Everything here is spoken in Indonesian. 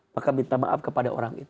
maka minta maaf kepada orang itu